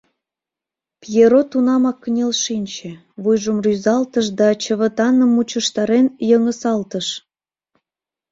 Пьеро тунамак кынел шинче, вуйжым рӱзалтыш да чывытаным мучыштарен, йыҥысалтыш: